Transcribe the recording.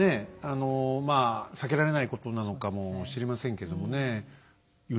あのまあ避けられないことなのかもしれませんけどもね。